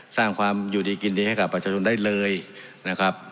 สร้างความยูริกิณีให้กับประชุมได้เลยนะครับ